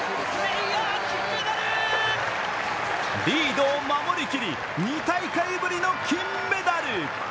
リードを守りきり、２大会ぶりの金メダル。